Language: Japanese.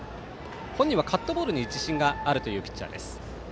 本人はカットボールに自信があるというピッチャーです。